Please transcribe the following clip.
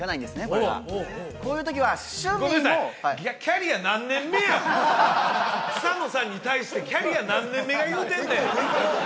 これがこういう時は趣味もごめんなさい草野さんに対してキャリア何年目が言うてんねん！